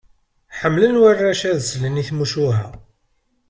Ḥemmlen warrac ad slen i tmucuha.